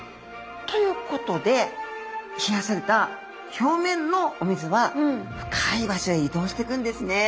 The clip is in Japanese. ということで冷やされた表面のお水は深い場所へ移動していくんですね。